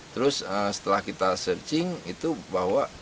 terus setelah kita searching itu bahwa